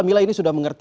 mila ini sudah mengerti